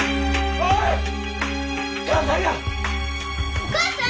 お母さん！